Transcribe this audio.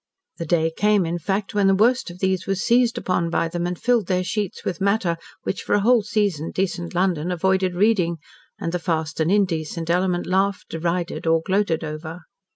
The day came, in fact, when the worst of these was seized upon by them and filled their sheets with matter which for a whole season decent London avoided reading, and the fast and indecent element laughed, derided, or gloated over.